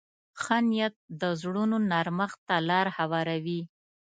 ښه نیت د زړونو نرمښت ته لار هواروي.